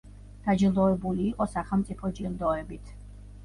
დაჯილდოებული იყო სახელმწიფო ჯილდოებით.